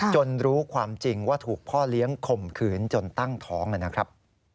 จนรู้ความจริงว่าถูกพ่อเลี้ยงข่มขืนจนตั้งท้องนะครับ